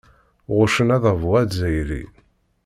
Ɣuccen adabu azzayri.